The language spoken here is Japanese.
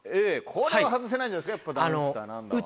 これは外せないんじゃないですか？